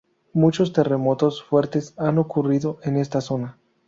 Muchos terremotos fuertes han ocurrido en esta zona.